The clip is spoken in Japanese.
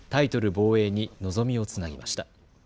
防衛に望みをつなぎました。